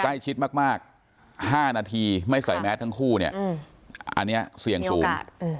ใกล้ชิดมากมากห้านาทีไม่ใส่แมททั้งคู่เนี่ยอันเนี้ยเสี่ยงสูงมีโอกาส